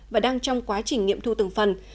và đang trong quá trình nghiệm thu từng phần